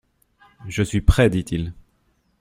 Je suis prêt, dit-il.